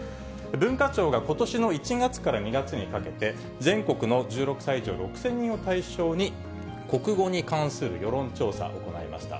文化庁がことしの１月から２月にかけて、全国の１６歳以上、６０００人を対象に、国語に関する世論調査、行いました。